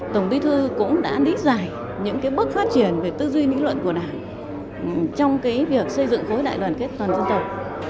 tổng bí thư cũng đã lý giải những bước phát triển về tư duy nghĩ luận của đảng trong việc xây dựng khối đại đoàn kết toàn dân tộc